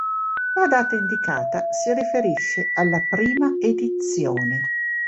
La data indicata si riferisce alla prima edizione.